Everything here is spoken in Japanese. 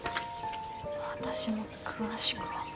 私も詳しくは。